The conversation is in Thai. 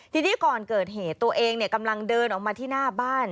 ทีนี้ก่อนเกิดเหตุตัวเองกำลังเดินออกมาที่หน้าบ้าน